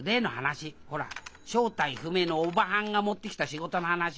ほら正体不明のおばはんが持ってきた仕事の話。